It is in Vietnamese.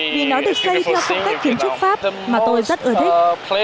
vì nó được xây theo phong cách kiến trúc pháp mà tôi rất ưa thích